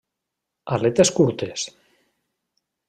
Aletes curtes.